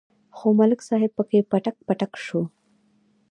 خو ملک صاحب پکې پټک پټک شو.